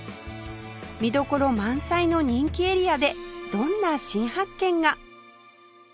見どころ満載の人気エリアでどんな新発見が！？